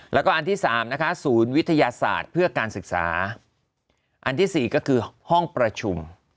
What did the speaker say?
แล้วก็อันที่๓นะคะศูนย์วิทยาศาสตร์เพื่อการศึกษาอันที่๔ก็คือห้องประชุม